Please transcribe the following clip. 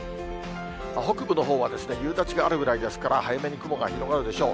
北部のほうは夕立があるぐらいですから、早めに雲が広がるでしょう。